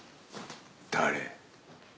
誰？